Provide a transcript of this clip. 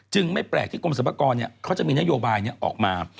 จึงไม่แปลกที่กรมสรรพากรเนี่ยเขาจะมีนโยบายเนี่ยออกมา